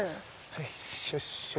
はいしょっしょ